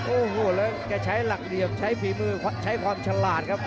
โอ้โหแล้วแกใช้หลักเหลี่ยมใช้ฝีมือใช้ความฉลาดครับ